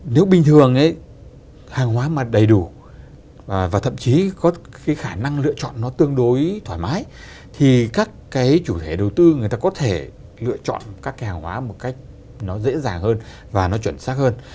nếu bình thường hàng hóa mà đầy đủ và thậm chí có cái khả năng lựa chọn nó tương đối thoải mái thì các cái chủ thể đầu tư người ta có thể lựa chọn các cái hàng hóa một cách nó dễ dàng hơn và nó chuẩn xác hơn